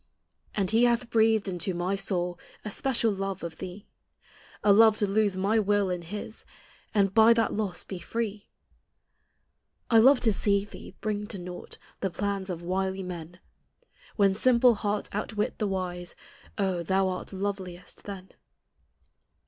And he hath breathed into my soul A special love of thee, A love to lose my will in his And bv that loss be free. I love to see thee bring to naught The plans of wily men; When simple hearts outwit the wise, Oh ? thou art loveliest then.